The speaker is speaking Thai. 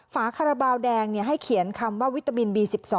ฝาคาราบาลแดงให้เขียนคำว่าวิตามินบี๑๒